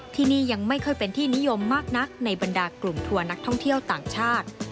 ที่นี่ยังไม่ค่อยเป็นที่นิยมมากนักในบรรดากลุ่มทัวร์นักท่องเที่ยวต่างชาติ